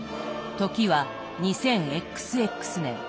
時は２０ＸＸ年。